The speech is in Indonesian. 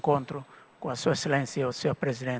dan tuan presiden indonesia